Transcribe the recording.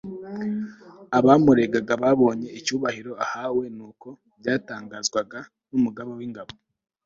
abamuregaga babonye icyubahiro ahawe n'uko byatangazwaga n'umugaba w'ingabo